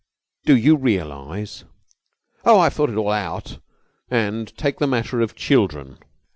Do you realise...?" "Oh, I've thought it all out." "And take the matter of children.